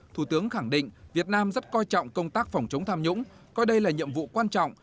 thủ tướng khẳng định việt nam rất coi trọng công tác phòng chống tham nhũng coi đây là nhiệm vụ quan trọng